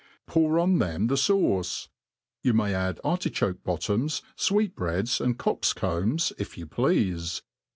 . Pour on them the fauce. Yuu may add artichoke bottoms, fweetbreads, and cocks combs, if you pleafe.